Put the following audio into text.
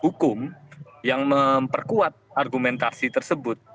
hukum yang memperkuat argumentasi tersebut